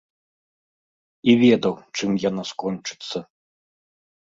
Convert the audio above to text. І ведаў, чым яна скончыцца.